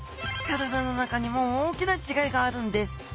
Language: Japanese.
体の中にも大きな違いがあるんです